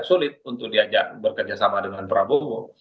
sulit untuk diajak bekerjasama dengan prabowo